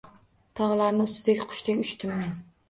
Tog’larning ustidan qushdek uchdim men.